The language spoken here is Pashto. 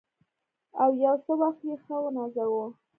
او یو څه وخت یې ښه ونازاوه.